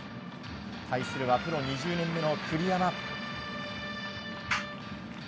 対するはプロ２０年目の栗山。